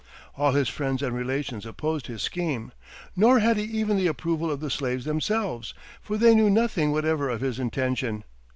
All his friends and relations opposed his scheme; nor had he even the approval of the slaves themselves, for they knew nothing whatever of his intention.